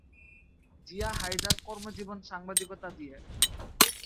জিয়া হায়দার কর্মজীবন সাংবাদিকতা দিয়ে।